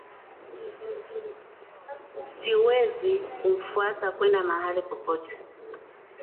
Siwezi kumfuata kwenda mahali popote